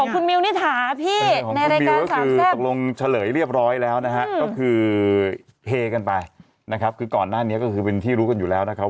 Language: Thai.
ก็คือเพกันไปนะครับคือก่อนหน้านี้ก็คือเป็นที่รู้กันอยู่แล้วนะครับ